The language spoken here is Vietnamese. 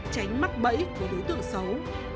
tránh mắc bẫy của đối tượng xấu